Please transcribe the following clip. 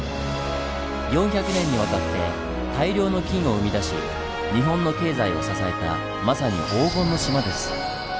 ４００年にわたって大量の金を生み出し日本の経済を支えたまさに「黄金の島」です。